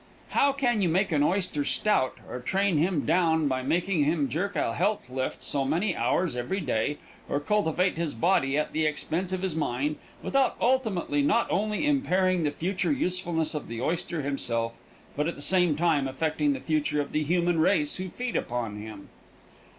How can you make an oyster stout or train him down by making him jerk a health lift so many hours every day, or cultivate his body at the expense of his mind, without ultimately not only impairing the future usefulness of the oyster himself, but at the same time affecting the future of the human race who feed upon him?